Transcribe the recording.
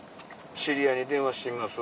知り合いに電話してみます？